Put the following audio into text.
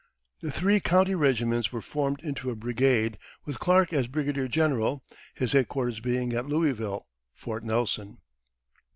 The three county regiments were formed into a brigade, with Clark as brigadier general, his headquarters being at Louisville (Fort Nelson).